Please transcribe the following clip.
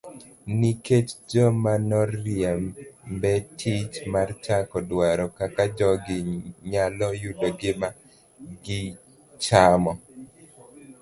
Nikech joma noriemb e tich mar chako dwaro kaka jogi nyalo yudo gima gichamo.